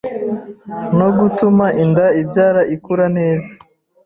no gutuma inda-ibyara ikura neza